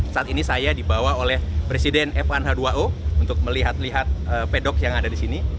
saat ini saya dibawa oleh presiden fan h dua o untuk melihat lihat pedok yang ada di sini